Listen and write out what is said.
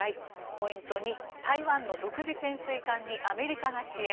ポイント２、台湾の独自潜水艦にアメリカが支援。